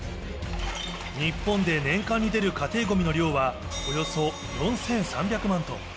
日本で年間に出る家庭ごみの量は、およそ４３００万トン。